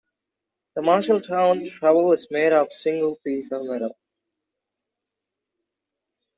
The Marshalltown trowel is made of a single piece of metal.